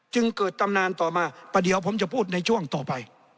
จึงเกิดตำนานต่อมาประเดี๋ยวผมจะพูดในช่วงต่อไป